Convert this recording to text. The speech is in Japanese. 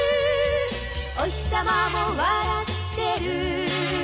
「おひさまも笑ってる」